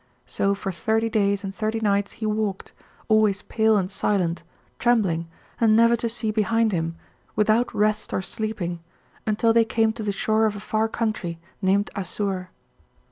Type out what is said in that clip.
So for thirty days and thirty nights he walked, always pale and silent, trembling, and never to see behind him, without rest or sleeping, until they came to the shore of a far country, named Assur.